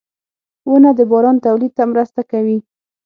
• ونه د باران تولید ته مرسته کوي.